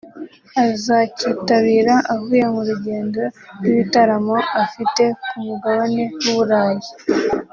azacyitabira avuye mu rugendo rw’ibitaramo afite ku Mugabane w’u Burayi